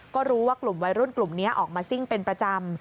ก็รู้ว่ากลุ่มวัยรุ่นกลุ่มนี้ออกมาซิ่งเป็นประจำ